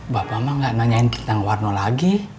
bapak mah gak nanyain tentang warna lagi